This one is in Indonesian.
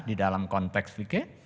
di dalam konteks vk